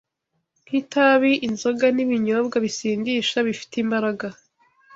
nk’itabi, inzoga, n’ibinyobwa bisindisha bifite imbaraga